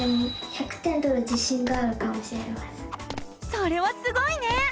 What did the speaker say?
それはすごいね！